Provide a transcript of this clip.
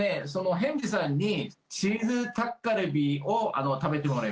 ヘムジさんにチーズタッカルビを食べてもらいます。